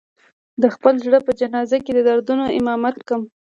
د خپل زړه په جنازه کې د دردونو امامت کړم